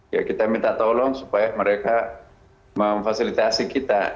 ya kita minta tolong supaya mereka memfasilitasi kita